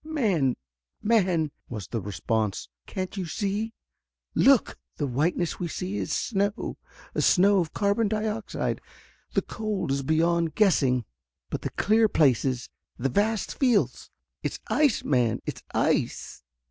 "Man man!" was the response, "can't you see? Look! The whiteness we see is snow, a snow of carbon dioxide. The cold is beyond guessing. But the clear places the vast fields it's ice, man, it's ice!"